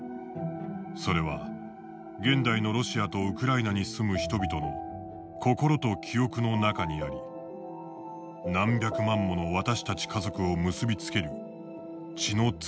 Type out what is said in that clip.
それは現代のロシアとウクライナに住む人々の心と記憶の中にあり何百万もの私たち家族を結び付ける血のつながりの中にある」。